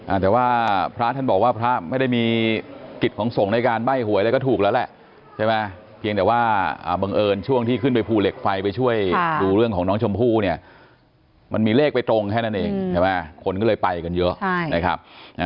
อ่าแต่ว่าพระท่านบอกว่าพระไม่ได้มีกิจของสงฆ์ในการใบ้หวยอะไรก็ถูกแล้วแหละใช่ไหมเพียงแต่ว่าบังเอิญช่วงที่ขึ้นไปภูเหล็กไฟไปช่วยดูเรื่องของน้องชมพู่เนี่ยมันมีเลขไปตรงแค่นั้นเองใช่ไหมคนก็เลยไปกันเยอะใช่นะครับ